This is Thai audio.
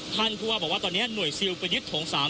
ท่านพูดว่าตอนนี้หน่วยซิลเป็นยึดถงสาม